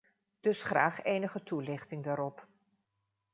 Dus graag enige toelichting daarop.